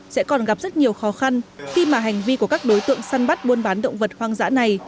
sẽ còn gặp rất nhiều khó khăn khi mà hành vi của các đối tượng săn bắt buôn bán động vật hoang dã này